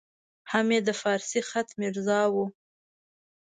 هم یې د فارسي خط میرزا وو.